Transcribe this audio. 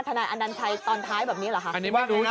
ธนายอันดันชัยตอนท้ายแบบนี้เหรอคะอันนี้ว่าไม่รู้นะ